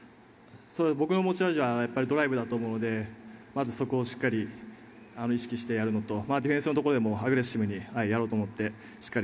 僕の持ち味はドライブだと思うのでまず、そこをしっかり意識してやるのとディフェンスのところでもアグレッシブにやろうと思っていたのでしっかり